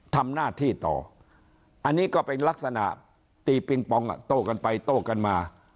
ทำหน้าที่ต่ออันนี้ก็เป็นลักษณะตีปิงปองอ่ะโต้กันไปโต้กันมา